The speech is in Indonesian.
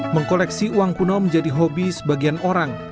mengkoleksi uang kuno menjadi hobi sebagian orang